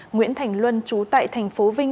nguyễn thành luân trú tại thành phố vinh